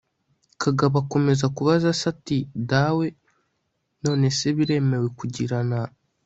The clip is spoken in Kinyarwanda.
kagabo akomeza kubaza se ati dawe, none se biremewe kugirana